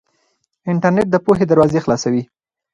انټرنيټ د پوهې دروازې خلاصوي.